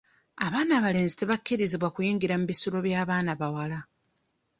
Abaana abalenzi tebakkirizibwa kuyingira mu bisulo by'abaana bawala.